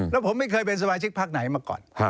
แล้วผมไม่เคยเป็นสมาชิกพักไหนมาก่อน